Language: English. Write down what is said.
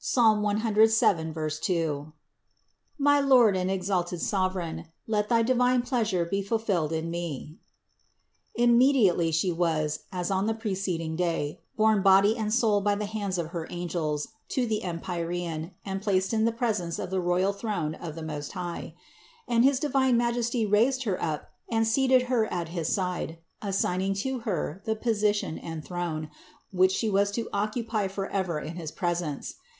107, 2), my Lord and exalted Sovereign: let thy divine pleasure be fulfilled in me." Immediately She was, as on the preceding day, borne body and soul by the hands of her angels to the empyrean and placed in the presence of the royal throne of the Most High; and his divine Majesty raised Her up and seated Her at his side, assigning to Her the position and throne, which She was to occupy forever in his presence.